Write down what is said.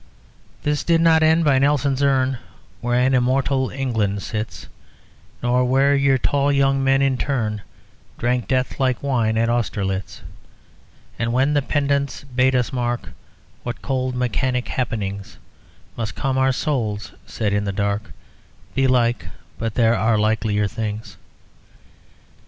_ _This did not end by Nelson's urn Where an immortal England sits Nor where your tall young men in turn Drank death like wine at Austerlitz. And when the pedants bade us mark What cold mechanic happenings Must come; our souls said in the dark, "Belike; but there are likelier things."